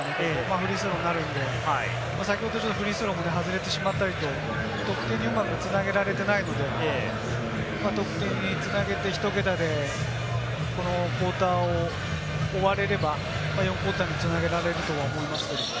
フリースローになるので、先ほどフリースローも外れてしまっていたので、得点にうまく繋げられていないので、得点に繋げて、ひと桁で、このクオーターを終われれば、４クオーターに繋げられると思います。